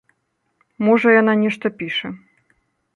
Можа яна нешта піша.